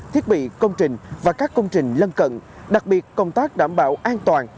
thiết bị công trình và các công trình lân cận đặc biệt công tác đảm bảo an toàn